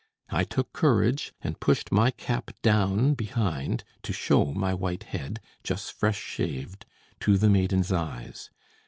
I took courage, and pushed my cap down behind to show my white head, just fresh shaved, to the maiden's eyes.